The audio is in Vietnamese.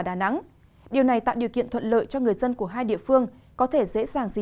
đà nẵng điều này tạo điều kiện thuận lợi cho người dân của hai địa phương có thể dễ dàng di